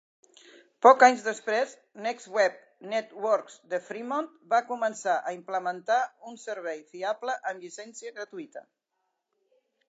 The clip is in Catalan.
Pocs anys després, NextWeb Networks de Fremont va començar a implementar un servei fiable amb llicència gratuïta.